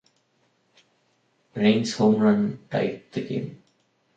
Raines' home run tied the game.